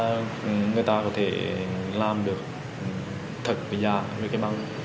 người ta có thể làm được thật và giả với cái băng